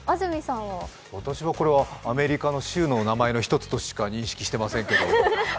私はこれは、アメリカの州の１つの名前としか認識してませんけど。